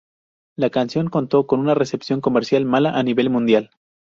La canción contó con una recepción comercial mala a nivel mundial.